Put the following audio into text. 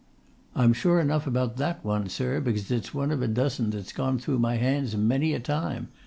"I'm sure enough about that one, sir, because it's one of a dozen that's gone through my hands many a time!"